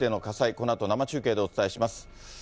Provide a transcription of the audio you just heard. このあと生中継でお伝えします。